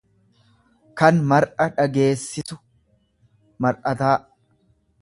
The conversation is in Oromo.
kan mar'a dhageessisu, mar'ataa.